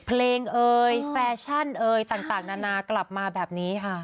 เอ่ยแฟชั่นเอ่ยต่างนานากลับมาแบบนี้ค่ะ